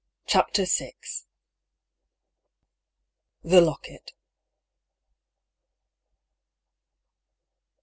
CHAPTER VL THE LOCKET.